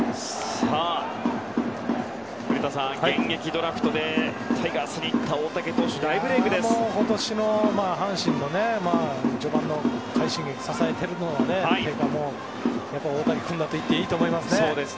古田さん、現役ドラフトでタイガースに行った大竹選手は今年の阪神の序盤の快進撃を支えたのは大竹君だといっていいと思いますね。